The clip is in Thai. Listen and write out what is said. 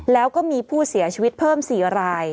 แล้วก็มีผู้เสียชีวิตเพิ่ม๔ราย